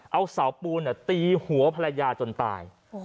เอาสาวปูเนี่ยตีหัวภรรยาจนตาย